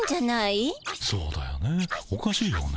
そうだよねおかしいよね。